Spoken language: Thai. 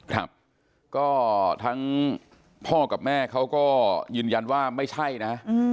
ครับก็ทั้งพ่อกับแม่เขาก็ยืนยันว่าไม่ใช่นะ